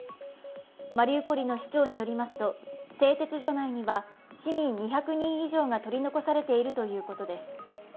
マリウポリの市長によりますと、製鉄所内には市民２００人以上が取り残されているということです。